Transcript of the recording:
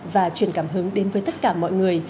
và truyền cảm hứng đến với tất cả mọi người